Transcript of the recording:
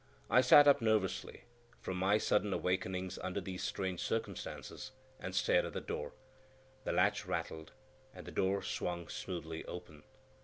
I sat up, nervous from my sudden awakening under these strange circumstances, and stared at the door. The latch rattled, and the door swung smoothly open.